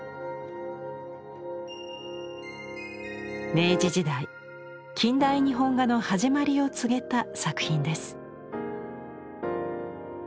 明治時代近代日本画の始まりを告げた作品です。